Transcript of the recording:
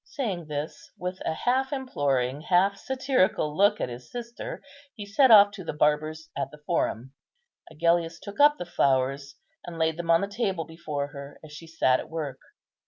Saying this, with a half imploring, half satirical look at his sister, he set off to the barber's at the Forum. Agellius took up the flowers, and laid them on the table before her, as she sat at work.